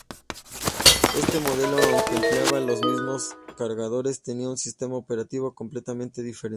Este modelo, aunque empleaba los mismos cargadores, tenía un sistema operativo completamente diferente.